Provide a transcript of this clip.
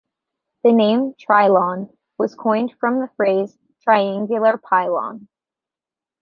The name "Trylon" was coined from the phrase "triangular pylon".